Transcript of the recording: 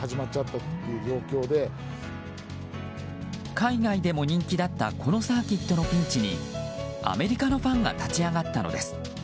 海外でも人気だったこのサーキットのピンチにアメリカのファンが立ち上がったのです。